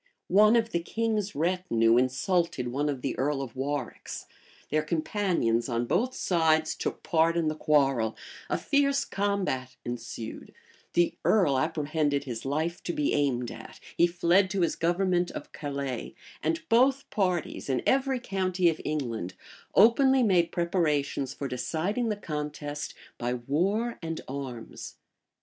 One of the king's retinue insulted one of the earl of Warwick's: their companions on both sides took part in the quarrel: a fierce combat ensued: the earl apprehended his life to be aimed at: he fled to his government of Calais; and both parties, in every county of England, openly made preparations for deciding the contest by war and arms.